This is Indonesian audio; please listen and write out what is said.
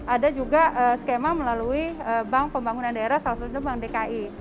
ada juga skema melalui bank pembangunan daerah salah satunya bank dki